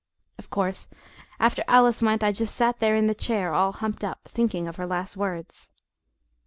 Of course, after Alice went, I just sat there in the chair all humped up, thinking of her last words.